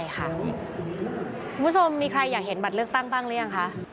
คุณผู้ชมมีใครอยากเห็นบัตรเลือกตั้งบ้างหรือยังคะ